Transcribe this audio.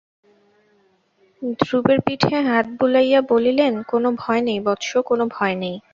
ধ্রুবের পিঠে হাত বুলাইয়া বলিলেন, কোনো ভয় নেই বৎস, কোনো ভয় নেই।